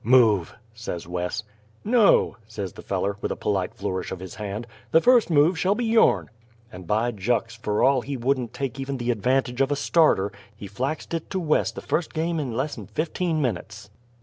"Move," says Wes. "No," says the feller, with a polite flourish of his hand; "the first move shall be your'n." And, by jucks! fer all he wouldn't take even the advantage of a starter, he flaxed it to Wes the fust game in less'n fifteen minutes.